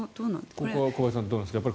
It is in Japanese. ここは小林さん、どうなんでしょうか